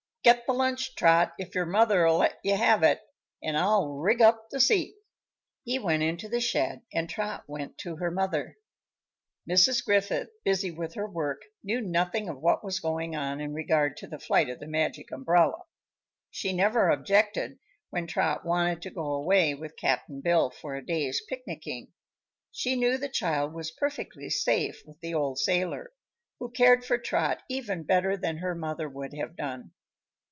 Get the lunch, Trot, if your mother'll let you have it, and I'll rig up the seat." He went into the shed and Trot went to her mother. Mrs. Griffith, busy with her work, knew nothing of what was going on in regard to the flight of the Magic Umbrella. She never objected when Trot wanted to go away with Cap'n Bill for a day's picnicking. She knew the child was perfectly safe with the old sailor, who cared for Trot even better than her mother would have done.